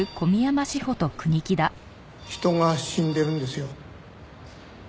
人が死んでるんですよ。